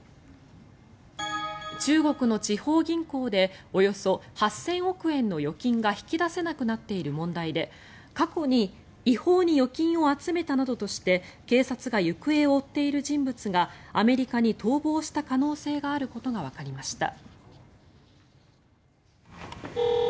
中国の地方銀行でおよそ８０００億円の預金が引き出せなくなっている問題で過去に違法に預金を集めたなどとして警察が行方を追っている人物がアメリカに逃亡した可能性があることがわかりました。